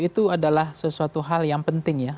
itu adalah sesuatu hal yang penting ya